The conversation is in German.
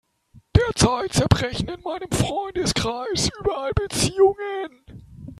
Derzeit zerbrechen in meinem Freundeskreis überall Beziehungen.